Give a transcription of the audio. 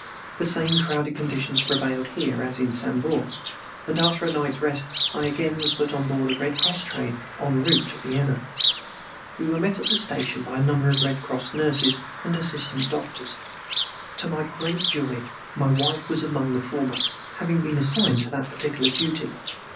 The same crowded conditions prevailed here as in Sambor, and after a night's rest I again was put on board a Red Cross train en route to Vienna. We were met at the station by a number of Red Cross nurses and assistant doctors. To my great joy my wife was among the former, having been assigned to that particular duty.